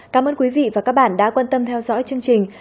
cảm ơn quý vị và các bạn đã quan tâm theo dõi chương trình